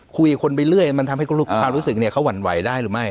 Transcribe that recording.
คุยคนไปเรื่อยมันทำให้คุณผู้ภาครู้สึกว่าเขาหวั่นไหวได้หรือไม่